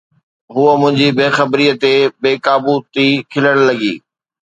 هوءَ منهنجي بي خبريءَ تي بي قابو ٿي کلڻ لڳي